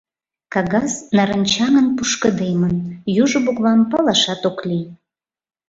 Кагаз нарынчаҥын пушкыдемын, южо буквам палашат ок лий.